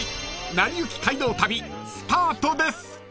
［『なりゆき街道旅』スタートです］